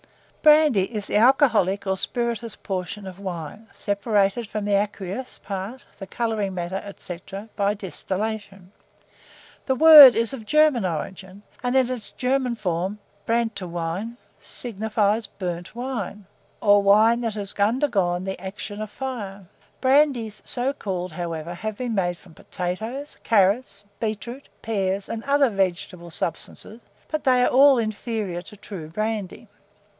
BRANDY is the alcoholic or spirituous portion of wine, separated from the aqueous part, the colouring matter, &c., by distillation. The word is of German origin, and in its German form, brantuein, signifies burnt wine, or wine that has undergone the action of fire; brandies, so called, however, have been made from potatoes, carrots, beetroot, pears, and other vegetable substances; but they are all inferior to true brandy.